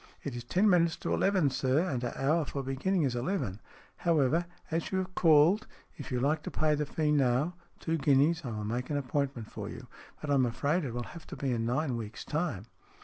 " It is ten minutes to eleven, sir, and our hour for beginning is eleven. However, as you have called, if you like to pay the fee now two guineas I will make an appointment for you, but I'm afraid it will have to be in nine weeks' time."